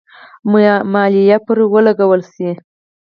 مالیه پرې ولګول شي.